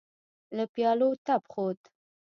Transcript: له پيالو تپ خوت.